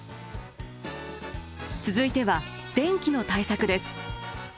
続いては電気の対策です。